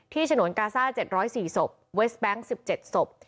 ที่ฉนวนกาซ่าเจ็ดร้อยสี่ศพเวสแบงค์สิบเจ็ดศพ